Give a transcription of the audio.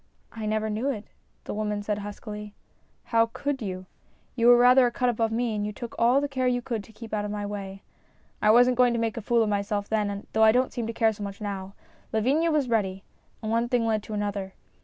" I never knew it," the woman said huskily. " How should you ? You were rather a cut above me, and you took all the care you could to keep out of my way. I wasn't going to make a fool of myself then, though I don't seem to care so much now. Lavinia was ready, and one thing led to another.